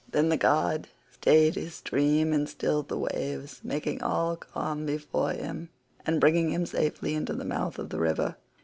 Then the god staid his stream and stilled the waves, making all calm before him, and bringing him safely into the mouth of the river.